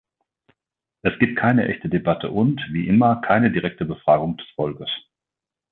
Es gibt keine echte Debatte und, wie immer, keine direkte Befragung des Volkes.